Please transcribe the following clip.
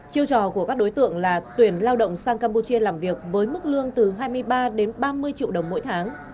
chiêu trò của các đối tượng là tuyển lao động sang campuchia làm việc với mức lương từ hai mươi ba đến ba mươi triệu đồng mỗi tháng